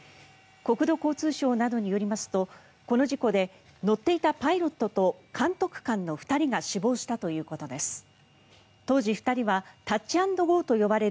国土交通省などによりますとこの事故で乗っていたパイロットと監督官の２人が死亡したということです。